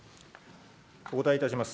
お答えいたします。